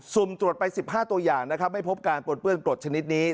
ุ่มตรวจไป๑๕ตัวอย่างนะครับไม่พบการปนเปื้อนกรดชนิดนี้